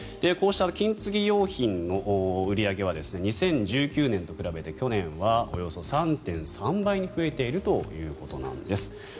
こうした金継ぎ用品の売り上げは２０１９年と比べて去年はおよそ３．３倍に増えているということなんです。